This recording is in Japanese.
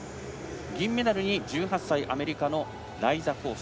銀メダルに１８歳アメリカのライザ・コーソ。